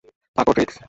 থাকো - ট্রিক্স!